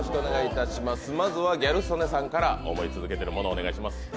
まずはギャル曽根さんから思い続けているものをお願いします。